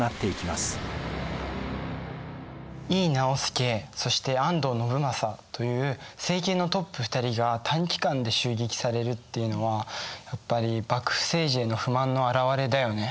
井伊直弼そして安藤信正という政権のトップ２人が短期間で襲撃されるっていうのはやっぱり幕府政治への不満の表れだよね。